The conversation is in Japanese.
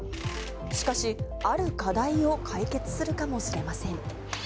しかし、ある課題を解決するかもしれません。